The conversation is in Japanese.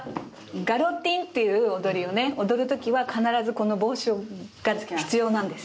ガロティンという踊りをね踊る時は必ずこの帽子が必要なんです。